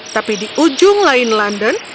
tapi di ujung lain london